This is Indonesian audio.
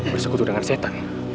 bersekutu dengan setan